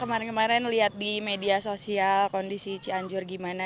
ya karena aku kemarin kemarin lihat di media sosial kondisi cianjur gimana